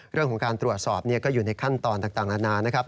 เรื่องของการตรวจสอบก็อยู่ในขั้นตอนต่างนานานะครับ